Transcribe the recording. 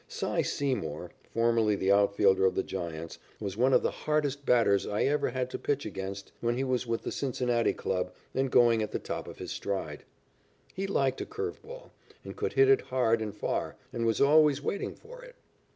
"Cy" Seymour, formerly the outfielder of the Giants, was one of the hardest batters I ever had to pitch against when he was with the Cincinnati club and going at the top of his stride. He liked a curved ball, and could hit it hard and far, and was always waiting for it.